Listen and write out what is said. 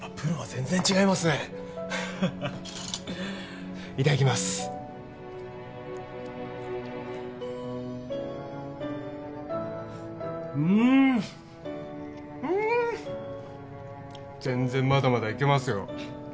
全然まだまだいけますよ。